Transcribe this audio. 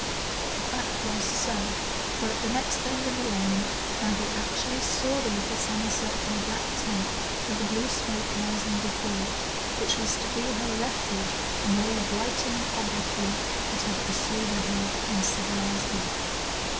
But the fact was so, for at the next bend in the lane Maggie actually saw the little semicircular black tent with the blue smoke rising before it, which was to be her refuge from all the blighting obloquy that had pursued her in civilised life.